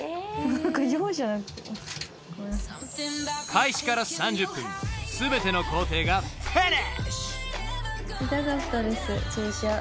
［開始から３０分全ての工程がフィニッシュ］